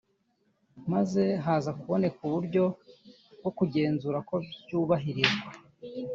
maze hakazaboneka uburyo bwo kugenzura ko byubahirizwa